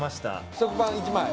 食パン１枚？